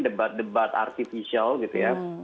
debat debat artificial gitu ya